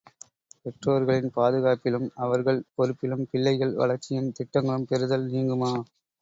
பெற்றோர்களின் பாதுகாப்பிலும் அவர்கள் பொறுப்பிலும் பிள்ளைகள் வளர்ச்சியும் திட்டங்களும் பெறுதல் நீங்குமா?